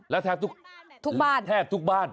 แล้วแทบทุกบ้าน